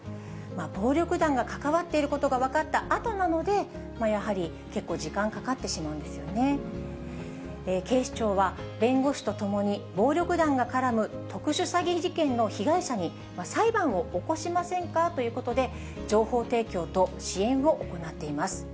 暴力団が関わっていることが分かったあとなので、やはり結構時間警視庁は、弁護士と共に、暴力団が絡む特殊詐欺事件の被害者に裁判を起こしませんかということで、情報提供と支援を行っています。